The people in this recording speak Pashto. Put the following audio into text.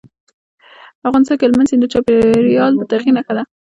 افغانستان کې هلمند سیند د چاپېریال د تغیر نښه ده.